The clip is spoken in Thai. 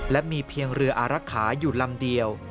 และมีเพียงเรืออารักษาอยู่ลำเดียว